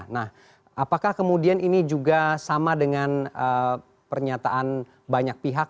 nah apakah kemudian ini juga sama dengan pernyataan banyak pihak